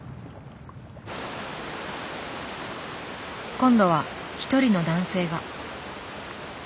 今度は一人の男性が。